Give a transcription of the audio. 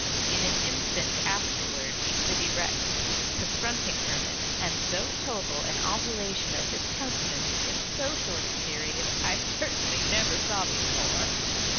In an instant afterward he stood erect, confronting Hermann; and so total an alteration of countenance in so short a period I certainly never saw before.